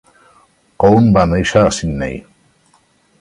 Chowne va néixer a Sydney.